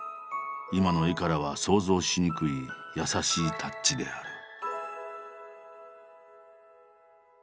今の絵からは想像しにくい優しいタッチである。